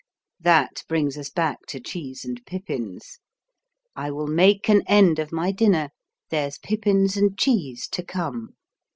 That brings us back to cheese and pippins: I will make an end of my dinner; there's pippins and cheese to come.